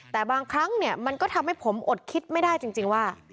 แต่บางครั้งเนี่ยมันก็ทำให้ผมอดคิดไม่ได้จริงว่า